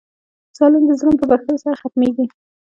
ظلم د ظلم په بښلو سره ختمېږي.